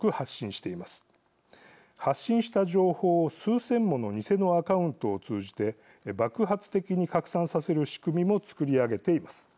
発信した情報を数千もの偽のアカウントを通じて爆発的に拡散させる仕組みも作り上げています。